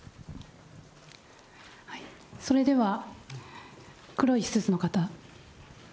それでは黒いスーツの方。